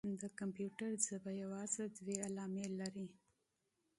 د کمپیوټر ژبه یوازې دوه نښې لري.